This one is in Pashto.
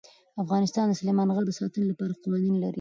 افغانستان د سلیمان غر د ساتنې لپاره قوانین لري.